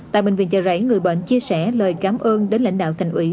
tại bệnh viện chợ rẫy người bệnh chia sẻ lời cảm ơn đến lãnh đạo thành ủy